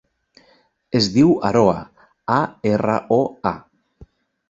Es diu Aroa: a, erra, o, a.